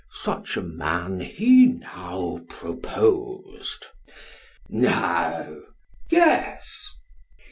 Such a man he now proposed (" No," " Yes